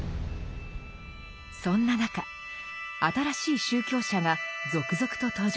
そんな中新しい宗教者が続々と登場します。